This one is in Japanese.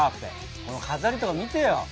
この飾りとか見てよ。